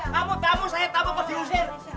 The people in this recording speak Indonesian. kamu tamu saya tamu kau diusir